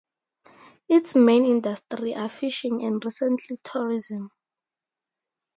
Its main industry are fishing and recently tourism.